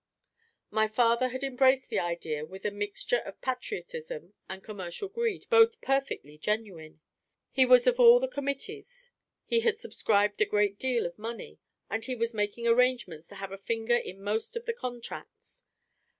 My father had embraced the idea with a mixture of patriotism and commercial greed both perfectly genuine. He was of all the committees, he had subscribed a great deal of money, and he was making arrangements to have a finger in most of the contracts.